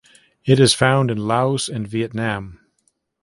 It is found in Laos and Vietnam.